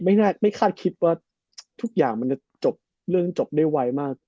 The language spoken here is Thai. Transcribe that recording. ไม่คาดคิดว่าทุกอย่างมันจะจบเรื่องจบได้ไวมาก